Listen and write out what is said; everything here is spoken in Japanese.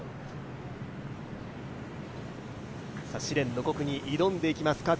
試練の５区に挑んでいきます